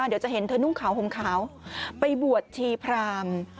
เดี๋ยวจะเห็นเธอนุ่งขาวห่มขาวไปบวชชีพราม